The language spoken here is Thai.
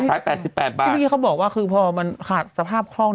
แต่สาย๘๘บาทเพื่อกี้เขาบอกว่าคือพอมันขาดสภาพคล่อง